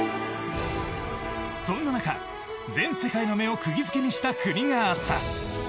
そんな中、全世界の目をくぎ付けにした国があった。